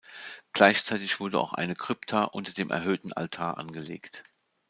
Gleichzeitig wurde auch eine Krypta unter dem erhöhten Altar angelegt.